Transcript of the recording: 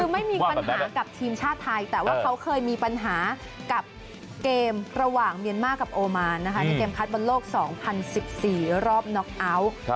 คือไม่มีปัญหากับทีมชาติไทยแต่ว่าเขาเคยมีปัญหากับเกมระหว่างเมียนมาร์กับโอมานนะคะในเกมคัดบอลโลก๒๐๑๔รอบน็อกเอาท์